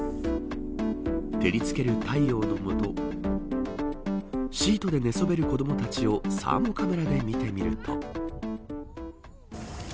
照り付ける太陽の下シートで寝そべる子どもたちをサーモカメラで見てみると。